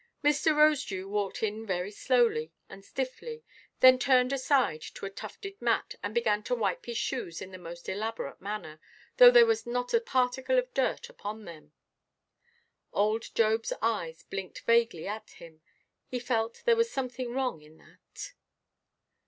Mr. Rosedew walked in very slowly and stiffly, then turned aside to a tufted mat, and began to wipe his shoes in the most elaborate manner, though there was not a particle of dirt upon them. Old Jobʼs eyes blinked vaguely at him: he felt there was something wrong in that.